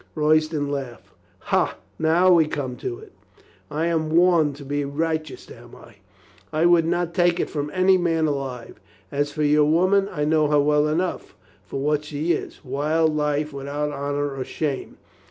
Royston laughed. "Ha, now we come to It I am warned to be righteous, am I ? I would not take it from any man alive. As for your woman, I know her well enough for what she is, wild life without honor or shame.